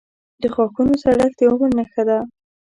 • د غاښونو زړښت د عمر نښه ده.